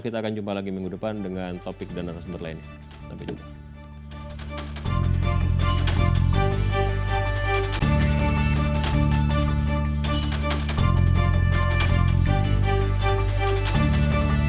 kita akan jumpa lagi minggu depan dengan topik dan resumen lainnya